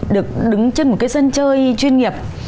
được đứng trên một cái sân chơi chuyên nghiệp